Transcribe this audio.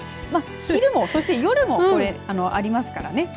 昼も、そして夜もこれありますからね。